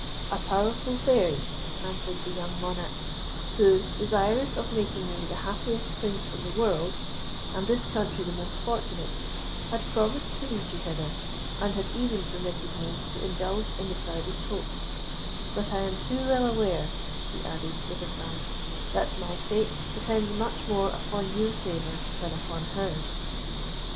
"A powerful Fairy," answered the young monarch, "who, desirous of making me the happiest Prince in the world, and this country the most fortunate, had promised to lead you hither, and had even permitted me to indulge in the proudest hopes; but I am too well aware," he added, with a sigh, "that my fate depends much more upon your favour than upon hers."